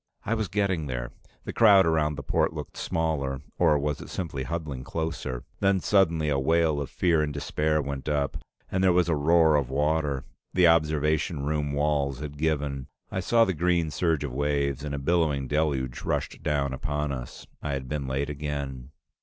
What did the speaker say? I was getting there. The crowd around the port looked smaller, or was it simply huddling closer? Then suddenly, a wail of fear and despair went up, and there was a roar of water. The observation room walls had given. I saw the green surge of waves, and a billowing deluge rushed down upon us. I had been late again.